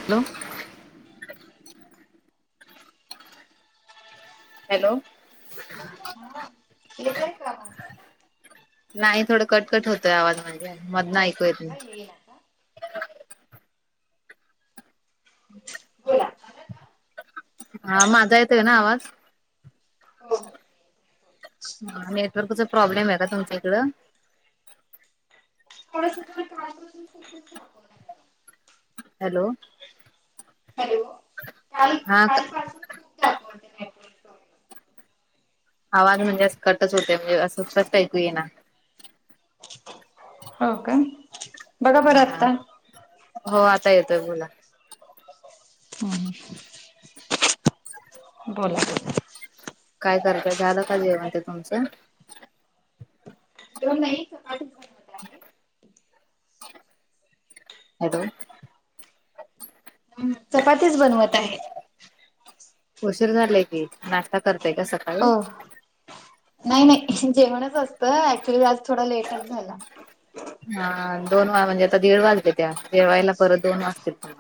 Hello hello नाही थोडं कटकट होतय आवाज म्हणजे मधनं ऐकूयाेत नाही बला हा माझा येतो का ना आवाज हो हा नेटवर्कचा प्रॉब्लेम आहे का तुमच्या इकडं थो त्रास हॅलो हॅलो हा का आवाज म्हणजे अस कटच होते म्हणजे असं फस्ट ऐकू ये ना हो का बघा बरं आत्ता हा हो आता येतोय बोला हम बोला काय कररायत झालं का जेवणते तुमचं नाहीठ हताो चपातीच बनवत आहे उशीर झालाय की नाश्ता करतय का हो सकाळी नाही नाही जेवणच असतं ऍक्च्युली आज थोडा लेटच झाला हा दोन वा म्हणजे आता दीड वाजले त्या दिडवायला परत दोन वाजतील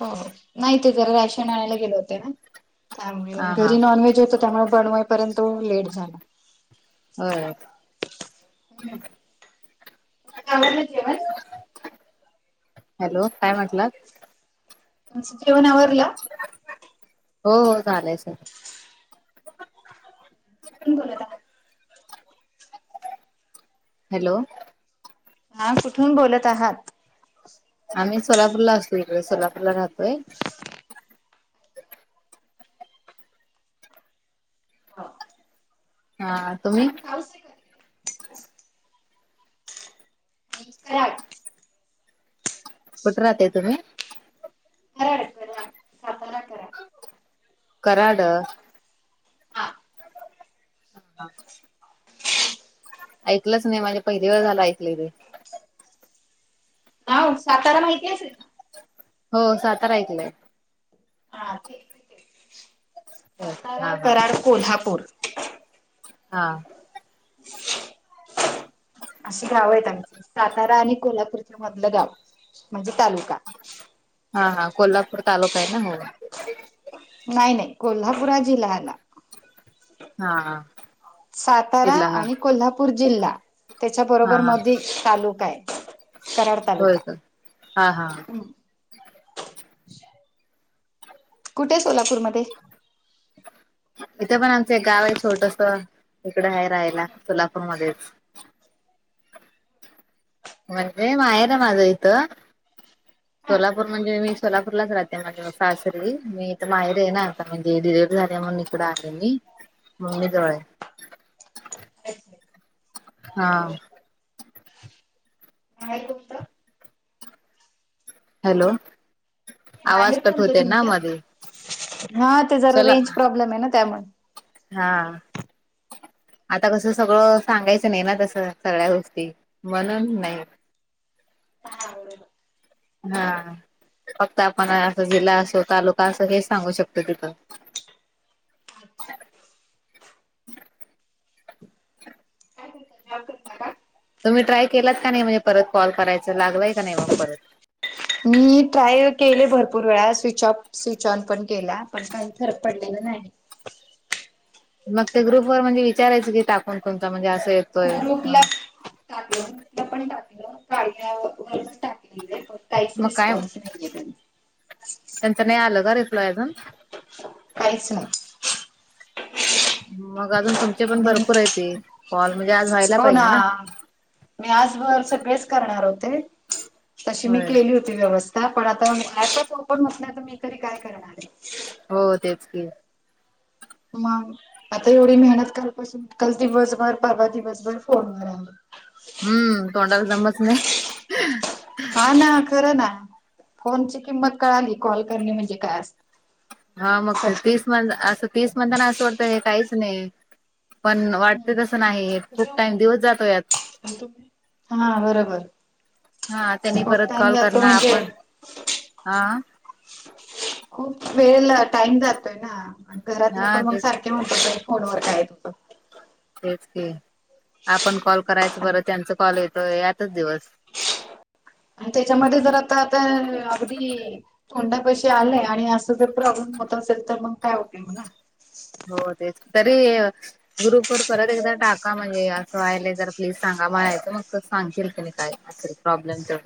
हो नाही ते जरा राशन आणायला गेले होते ना त्यामुळे हा हा घरी नॉनव्हेज होत त्यामुळे बनवाईपर्यंत लेट झाला हो हम् कामची म हॅलो काय म्हटलं तुमचं जेवण आवरला हो हो चालंयच ण बोलतता हॅलो हा कुठून बोलत आहात आम्ही सोलापूरला असलो इकडे सोलापूरला राहतोय हा हा तुम्ही ह नम कुठे राहते तुम्ही कराड करा सातारा करा कराड हा हा हा ऐकलंच नाही माझे पहिली वेळ झाला ऐकलंय ते ह सातारा माहिती आहेेल हो सातारा ऐकलंय हा सातारा हा हा कराड कोल्हापूर हा [inaudible] अशी गाव आहेत आमची सातारा आणि कोल्हापूरच्या मधलं गाव म्हणजे तालुका हा हा कोल्हापूर तालुका आहे ना हो नाही नाही कोल्हापूरा जि्हा हला हा सातारा जिल्हा हा आणि कोल्हापूर नागपूर जिल्हा हा त्याच्याबरोबर हा मध तालुका आहे कराड होय तालुका का हा हा कुठे आहे सोलापूरमध्ये इथे पण आमचं एक गाव आहे छोटस इकड आहे राहायला सोलापूरमध्येच म्हणजे मायरा माझं इथं ह सोलापूर म्हणजे मी सोलापूरलाच राहते माझे सासरी मीथ माहेर आहे ना आता म्हणजे डिलेवर्ह झाल्या म्हणून ककड आले मी मम्मी जवळ आहे. त हा आहेऐकमत हॅलो बाहेर आवाज कट कोणतं होते ना मध्ये तुमच हा ते जरा चला रेंज प्रॉब्लेम आहे ना त्यामुळे हा आता कसं सगळं सांगायचं नाही ना तस सगळ्या गोष्टी म्हणून नाही हा फक्त आपण अस जिल्हा असो तालुका असो हेच सांगू शकतो तिथं ह तुम्ही ट्राय केलात का नाही म्हणजे परत कॉल करायच लागलाय का नाही मग परत मी ट्राय केले भरपूर वेळा स्विच ऑफ स्विच ऑन पण केला पण काही फरक पडलेला नाही मग ते ग्रुप वर म्हणजे विचारायचं की टाकून तुमचां म्हणजे असं येतोय म्हण टाक पण टाकलं गाड्या वण टाक काहीच मग काय रिस्पॉन्स नाहीय त्यांच नाही आलं का रे फलोयजून काहीच नाही मग अजून तुमचे पण नाही भरपूर आहे ते कॉल म्हणजे आ हो ना मी आजबरच बेस करणार होते तशी मी होय केली होती व्यवस्था पण आता ऍपच ओपन होत नाही, तर मी तरी काय करणार आहे. हो तेच की मग आता एवढी मेहनत करुनपण काल दिवसभर, परवा दिवसभर फोनवर हम्म तोंडाला जमच नाही. हा ना खरं ना फोनची किंमत कळाली कॉल करणे म्हणजे काय असत! हा मग ते तीस म्हण, असं तीस म्हणताना असं वाटतंय हे काहीच नाही. पण वाटते तसं नाही, खूप टाइम दिवस जातो यात हम हा बरोबर हा त्यांनी खूप परत टाइम कॉल जातो करणार म्हणजे आपण हा खूप वेळ ला टाईम जातोय ना, घरातले हा पण मग तेच सारखे म्हणतात फोनवर काय त होतं. तेच की, आपण कॉल करायच, बरं त्यांच कॉल येतो यातच दिवस आणि त्याच्यामध्ये जर आता आता अगदी तोंडा पशी आलंय आणि असं जर प्रॉब्लेम होत असेल तर मग काय होते म्हणा! हो तेच तरी ग्रुप वर परत एकदा टाका म्हणजे असं वाहिलंय जर प्लीज सांगा म्हलायचं, मग सांगतील तेनी काय ते प्रॉब्लेम तर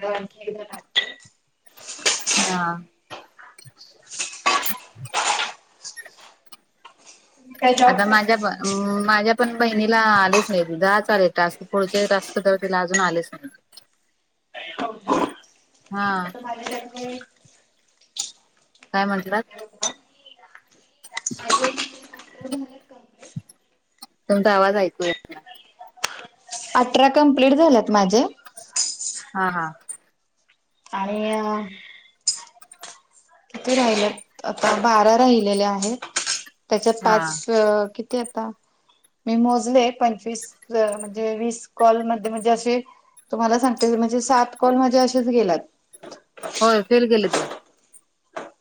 मग आणखी एकदा टाकते. हा [inaudible] आता माझ्यापण माझ्या पण बहिणीला आलेच नाहीत, दहा च आले टास्क पुढचे टास्क च तिला अजून आलेच नाही. [inaudible] हा. माझ्या की नाही काय म्हटलाात. काय ऐकू येतं नाहीये. तुमचा आवाज ऐकू येत नाही. अठरा कंप्लीट झाल्यात माझे हा हा. आणि अ किती राहिले आता बारा राहिलेले आहेत. त्याच्यात हा पाच किती मी मोजले पंचवीस म्हणजे वीस कॉलमध्ये मध्ये असे तुम्हाला सांगते म्हणजे सात कॉल माझे असेच गेलात. होय फेल गेले ते.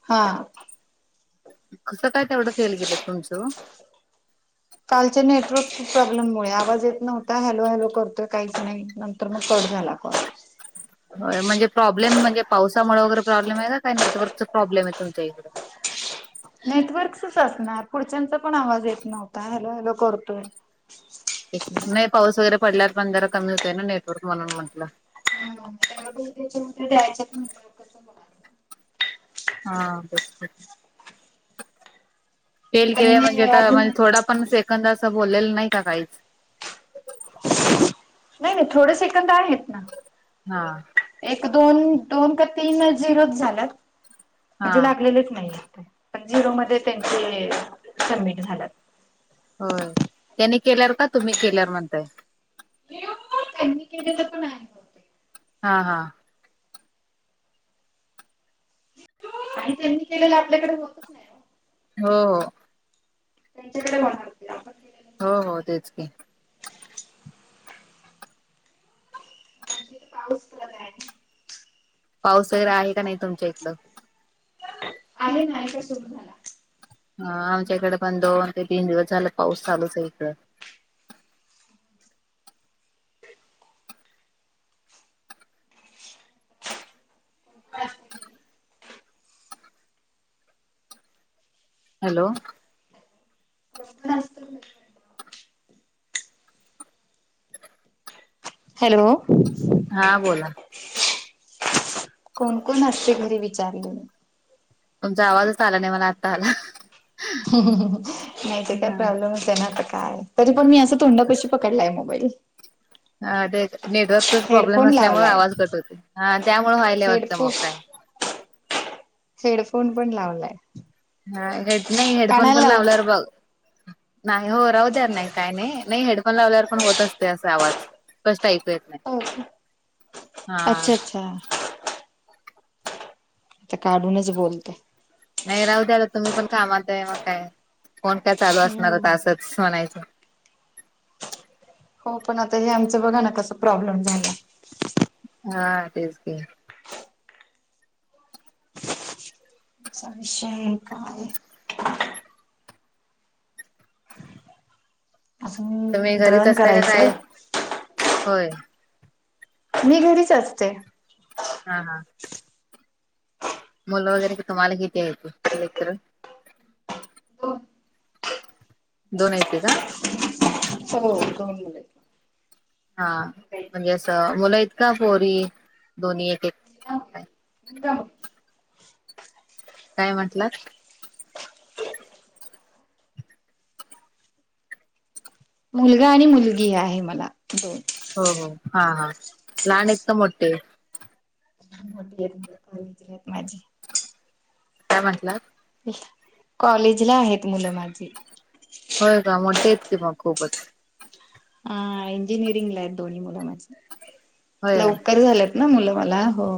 हा. कसं काय तेवढं फेल गेलं तुमचं ओ कालच्या नेटवर्क प्रॉब्लेममुळे आवाज येत नव्हता हॅलो हॅलो करतोय काहीच नाही. नंतर मग कट झाला कॉल होय, म्हणजे प्रॉब्लेम म्हणजे पावसामुळे वगैरे प्रॉब्लेम आहे काय नेटवर्कचा प्रॉब्लेम आहे तुमच्या इकडे नेटवर्कचाच असणार पुढच्यांचा पण आवाज येत नव्हता हॅलो हॅलो करतोय! नाही पाऊस वगैरे पडल्यावर पण जरा कमी होतोय ना नेटवर्क म्हणून म्हटलं. [unintelligible] हा ते की फेल के म्हणजे तर असं म्हणजे थोडा पण सेकंद असं बोललेलं नाही का काहीच नाही नाही थोड सेकंद आहेत ना हा. एक दोन, दोन का तीन झिरोच झाल्यात. हा म्हणजे लागलेलेच नाहीत. पण झिरो मध्ये त्यांचे सबमिट झाल्यात. हो. त्यांनी केल्यावर का तुम्ही केल्यावर म्हणताय. त्यांनी केलेलं हा हा आणि त्यांनी केलेलं आपल्याकडे होतच नाही. हो हो त्यांच्याकडे होणार ते. हो हो, तेच की. [unintelligible] पाऊस वगैरे आहे का नाही तुमच्या इकडं? आहे ना आताच सुरु झाला. हा, आमच्या इकडे पण दोन ते तीन दिवस झालं पाऊस चालूच आहे इकडं. [inaudible] हॅलो! हॅलो! हा बोला. कोण कोण असते घरी विचारले? तुमचा आवाजच आला नाही मला आत्ता आला. नाही ते काय हा. प्रॉब्लेमच आहे ना आता काय, तरी पण मी असं तोंडा पशी पकडलाय मोबाईल. हा ते, नेटवर्कचाच प्रॉब्लेम हेडफोन असल्यामुळे लावलाय आवाज कट होते, हा त्यामुळे व्हायला वाटतं हेडफो मग काय. हेडफोन पण लावलाय. हा हे नाही हेडफोन कानाला पण लाव लावल्यावर बघ नाही हो राहुद्या नाही काय नाही, नाही हेडफोन लावल्यावर पण होत असते असा आवाज. स्पष्ट ऐकू येत नाही. हा अच्छा अच्छा. आता काढूनच बोलते. नाही राहू द्या आता तुम्ही पण कामात आहे मग काय, फोन काय चालू असणार आता असंच म्हणायचं. हो पण आता हे आमचं बघा ना कस प्रॉब्लेम झाला हा, तेच की असा विषय आहे काय. अजून तुम्ही घरीच दळण असता का करायचंय. काय? होय. मी घरीच असते. हा हा मुलं वगैरे क तुम्हाला किती आहेत, लेकरं? दोन आहेती का? हो, दोन मुलं आहेत. हा, म्हणजे असं मुलं आहेत का, पोरी दोन्ही एक एक काय [unintelligible] काय म्हंटलात? मुलगा आणि मुलगी आहे मला दोन. हो हो हा हा, लहान आहेत का मोठे? मोठी आहेत मुलं कॉलेजले आहेत माझी. काय म्हंटलात? कॉलेजला आहेत मुलं माझी. होय का, मोठी आहेत की मग खूपच. हा इंजिनिअरिंगला आहेत दोन्ही मुलं माझी. होय लवकर झालं ना मुलं मला हो,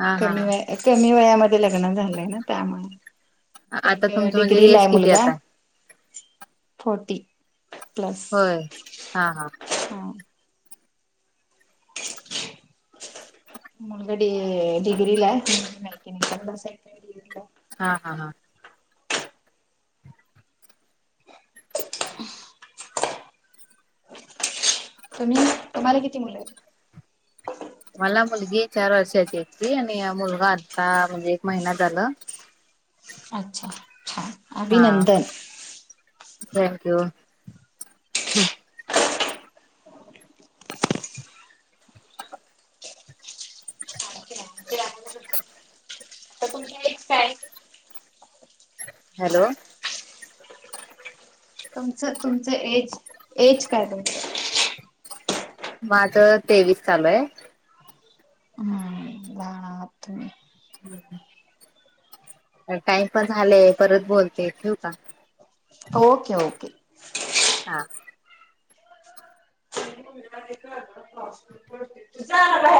हा हा कमी हा. व कमी वयामध्ये लग्न झालंय ना त्यामुळे. आता एक तुमचं म्हणजे डिग्रीला एज आहे किती मुलगा. आता फोर्टी प्लस होय हा. [unintelligible] मुलगा डिग्रीला आहे, मुलगी [unintelligible] हा हा हा. [inaudible] तुम्ही तुम्हाला किती मुलं आहेत? मला मुलगी चार वर्षाची यती आणि मुलगा आता म्हणजे एक महिना झाल. अच्छा. छान. हा. अभिनंदन thank you. Next time. Hello. तुमचं तुमचं एज एज काय तुमचं? माझं तेवीस चालू हाय. हम्म. लहान आहात तुम्ही. थोडंफार. टाइम पण झालय परत बोलते ठेवू का? Okay okay. हा. [inaudible] तुझं आलं बा